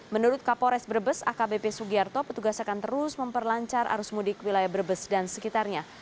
menurut kapolres brebes akbp sugiarto petugas akan terus memperlancar arus mudik wilayah brebes dan sekitarnya